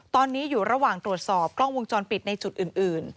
ตอนนี้อยู่ระหว่างตรวจสอบกล้องวงจรปิดในจุดอื่น